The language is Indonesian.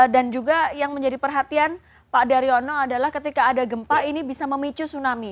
dan juga yang menjadi perhatian pak daryono adalah ketika ada gempa ini bisa memicu tsunami